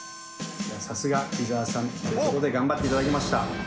さすが伊沢さんということで頑張っていただきました。